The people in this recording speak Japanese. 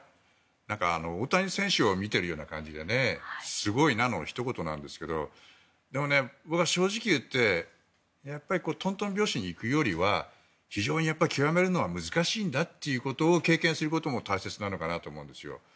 なんか大谷選手を見ているような感じですごいなのひと言なんですがでも、僕は正直言ってとんとん拍子に行くよりは非常に極めるのは難しいんだということを経験することも大切なのかなと思うんですよ。